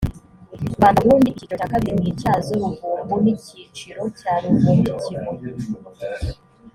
rwanda burundi icyiciro cya kabiri mwityazo ruvumbu n icyiciro cya ruvumbukibuye